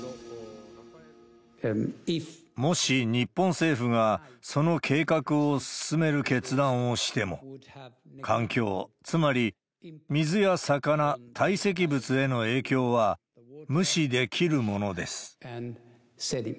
もし日本政府がその計画を進める決断をしても、環境、つまり水や魚、堆積物への影響は無視できるものです。